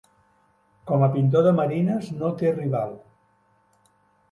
Com a pintor de marines no té rival.